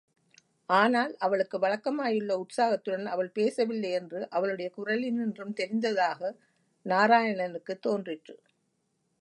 ஆனால் அவளுக்கு வழக்கமாயுள்ள உற்சாகத்துடன் அவள் பேசவில்லையென்று அவளுடைய குரலினின்றும் தெரிந்ததாக நாராயணனுக்குத் தோன்றிற்று.